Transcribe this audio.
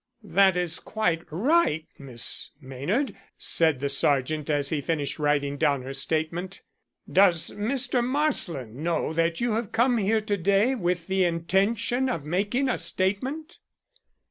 "That is quite right, Miss Maynard," said the sergeant, as he finished writing down her statement. "Does Mr. Marsland know that you have come here to day with the intention of making a statement?"